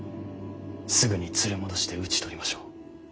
すぐに連れ戻して討ち取りましょう。